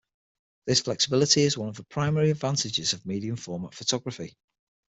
This flexibility is one of the primary advantages of medium-format photography.